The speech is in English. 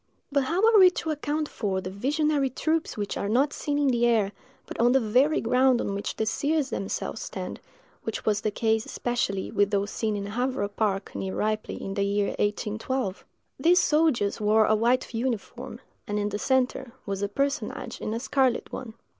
But how are we to account for the visionary troops which are not seen in the air, but on the very ground on which the seers themselves stand, which was the case especially with those seen in Havarah park, near Ripley, in the year 1812? These soldiers wore a white uniform, and in the centre was a personage in a scarlet one.